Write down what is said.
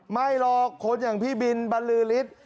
ไม่หรอกคนอย่างพี่บินบรรลือฤทธิ์